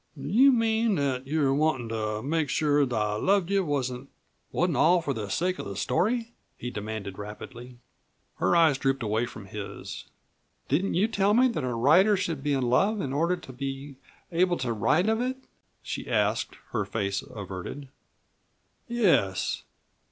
"Do you mean that you wantin' to make sure that I loved you wasn't all for the sake of the story?" he demanded rapidly. Her eyes drooped away from his. "Didn't you tell me that a writer should be in love in order to be able to write of it?" she asked, her face averted. "Yes."